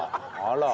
あら。